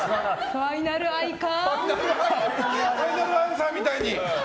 ファイナルアンサーみたいに。